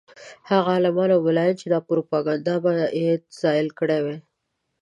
هغه عالمان او ملایان چې دا پروپاګند باید زایل کړی وای.